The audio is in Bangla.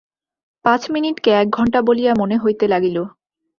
পাঁচ মিনিটকে এক ঘন্টা বলিয়া মনে হইতে লাগিল।